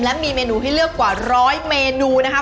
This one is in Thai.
และมีเมนูให้เลือกกว่าร้อยเมนูนะคะ